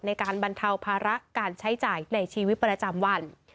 ในการบรรเทาภาระการใช้จ่ายในชีวิตประจำวัน